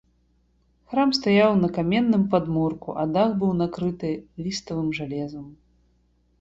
Храм стаяў на каменным падмурку, а дах быў накрыты ліставым жалезам.